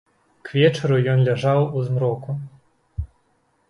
К вечару ён ляжаў у змроку.